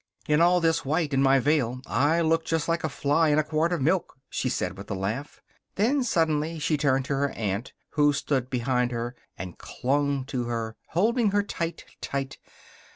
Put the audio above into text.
"In all this white, and my veil, I look just like a fly in a quart of milk," she said, with a laugh. Then, suddenly, she turned to her aunt, who stood behind her, and clung to her, holding her tight, tight.